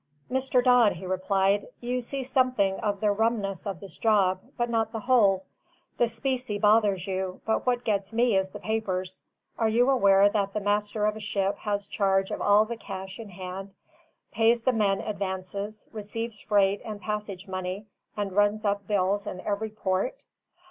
"Mr. Dodd," he replied, "you see something of the rumness of this job, but not the whole. The specie bothers you, but what gets me is the papers. Are you aware that the master of a ship has charge of all the cash in hand, pays the men advances, receives freight and passage money, and runs up bills in every port?